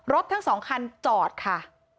รถทั้ง๒คันจอดค่ะ